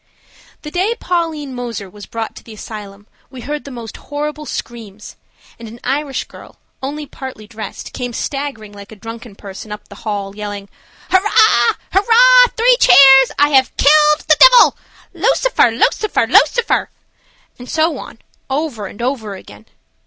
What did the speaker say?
THE day Pauline Moser was brought to the asylum we heard the most horrible screams, and an Irish girl, only partly dressed, came staggering like a drunken person up the hall, yelling, "Hurrah! Three cheers! I have killed the divil! Lucifer, Lucifer, Lucifer," and so on, over and over again.